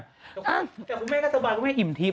แต่คุณแม่ก็ตกว่าต้องให้ผมอิ่มทิศ